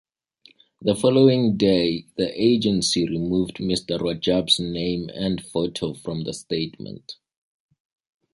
The following day the agency removed Mr. Rajab's name and photo from the statement.